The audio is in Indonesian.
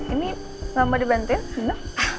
ini gak mau dibantuin gak